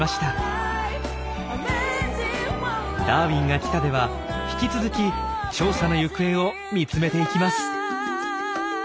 「ダーウィンが来た！」では引き続き調査の行方を見つめていきます。